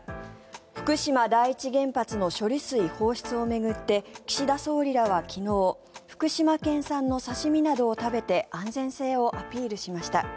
福島第一原発の処理水放出を巡って岸田総理らは昨日福島県産の刺し身などを食べて安全性をアピールしました。